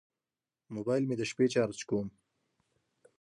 موبایل مې د شپې چارج کوم.